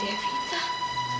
ya ampun kak